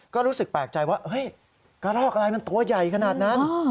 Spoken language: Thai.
ก็รู้สึกแปลกใจว่าเฮ้ยกระรอกอะไรมันตัวใหญ่ขนาดนั้น